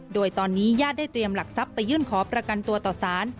โดยตอนนี้ญาติได้เตรียมหลักทรัพย์ไปยื่นขอประกันตัวต่อสาร